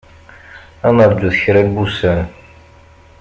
Ad naṛǧut kra n wussan.